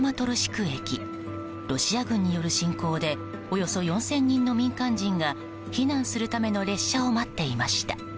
ロシア軍による侵攻でおよそ４０００人の民間人が避難するための列車を待っていました。